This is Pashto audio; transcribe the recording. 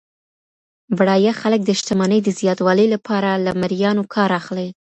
بډایه خلګ د شتمنۍ د زیاتوالي لپاره له مریانو کار اخلي.